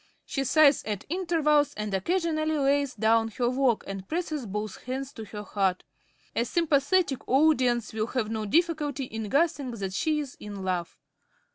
She sighs at intervals and occasionally lays down her work and presses both hands to her heart. A sympathetic audience will have no difficulty in guessing that she is in love.